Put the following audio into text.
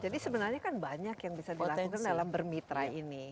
jadi sebenarnya kan banyak yang bisa dilakukan dalam bermitra ini